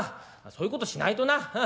そういうことしないとな。